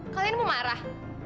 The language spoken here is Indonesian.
kalian mau marah